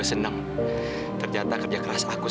akhirnya terbayar dengan perusahaan yang baik